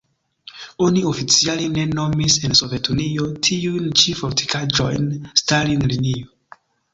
Oni oficiale ne nomis en Sovetunio tiujn ĉi fortikaĵojn Stalin-linio.